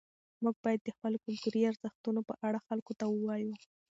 موږ باید د خپلو کلتوري ارزښتونو په اړه خلکو ته ووایو.